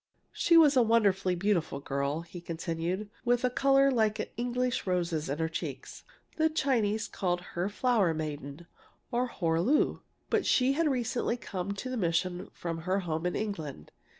"She was a wonderfully beautiful girl," he continued, "with a color like English roses in her cheeks. The Chinese called her 'Flower maiden,' or 'Hor lú.' She had but recently come to the mission from her home in England.